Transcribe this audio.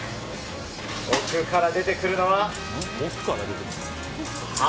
奥から出てくるのは。